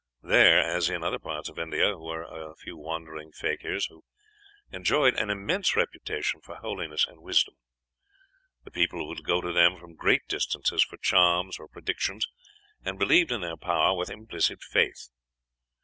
There, as in other parts of India, were a few wandering fakirs, who enjoyed an immense reputation for holiness and wisdom. The people would go to them from great distances for charms or predictions, and believed in their power with implicit faith.